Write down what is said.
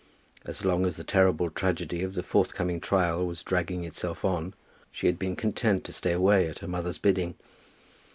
As long as the terrible tragedy of the forthcoming trial was dragging itself on she had been content to stay away, at her mother's bidding.